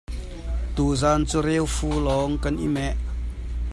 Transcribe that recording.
Tuzaan cu reufu lawng kan i meh.